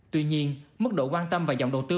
tuy nhiên mức độ quan tâm và dòng đầu tư